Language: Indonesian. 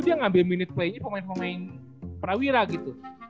dia ngambil minute play nya pemain pemain prawira gitu